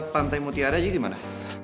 pantai mutiara aja gimana